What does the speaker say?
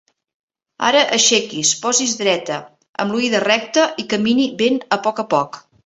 Ara aixequi's, posi's dreta, amb l'oïda recta i camini ben a poc a poc.